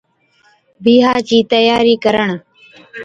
بِيھا چِي تياري ڪرڻ